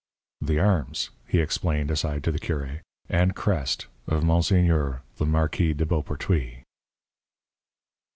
"The arms," he explained, aside, to the curé, "and crest of Monseigneur, the Marquis de Beaupertuys."